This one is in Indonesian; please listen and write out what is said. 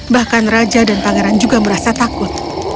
bahkan raja dan pangeran juga merasa takut